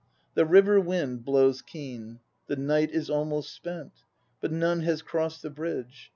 The river wind blows keen ; The night is almost spent, Mi it none has crossed the Bridge.